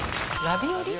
ラビオリ。